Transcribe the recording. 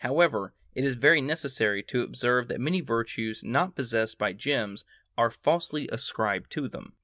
However, it is very necessary to observe that many virtues not possessed by gems are falsely ascribed to them.